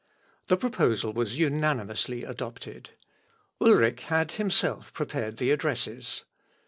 The proposal was unanimously adopted. Ulric had himself prepared the addresses.